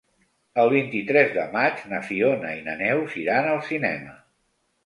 El vint-i-tres de maig na Fiona i na Neus iran al cinema.